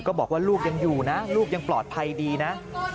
บอกว่าลูกยังอยู่นะลูกยังปลอดภัยดีนะ